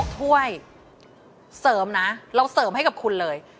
ถ้วยเสริมนะเราเสริมให้กับคุณเลย